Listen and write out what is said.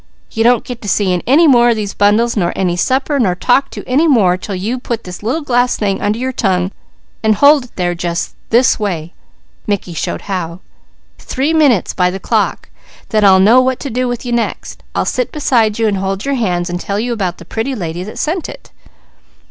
You don't get to see in any more of these bundles, nor any supper, nor talked to any more, 'til you put this little glass thing under your tongue and hold it there just this way" Mickey showed how "three minutes by the clock, then I'll know what to do with you next. I'll sit beside you, and hold your hands, and tell you about the pretty lady that sent it."